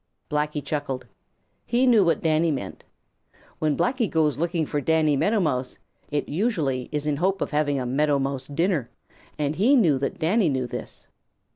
Blacky chuckled. He knew what Danny meant. When Blacky goes looking for Danny Meadow Mouse, it usually is in hope of having a Meadow Mouse dinner, and he knew that Danny knew this.